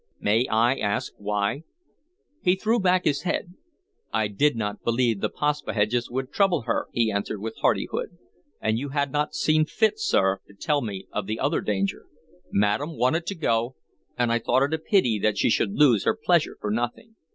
"May I ask why?" He threw back his head. "I did not believe the Paspaheghs would trouble her," he answered, with hardihood, "and you had n't seen fit, sir, to tell me of the other danger. Madam wanted to go, and I thought it a pity that she should lose her pleasure for nothing."